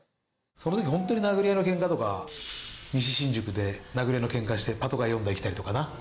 その時ホントに殴り合いのケンカとか西新宿で殴り合いのケンカしてパトカー４台来たりとかな。